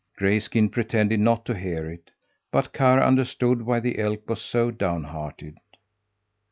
Grayskin pretended not to hear it; but Karr understood why the elk was so downhearted.